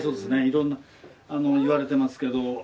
色んないわれてますけど。